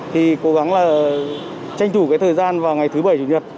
thì cố gắng là tranh thủ cái thời gian vào ngày thứ bảy chủ nhật